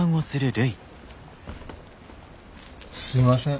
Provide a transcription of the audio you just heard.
すいません。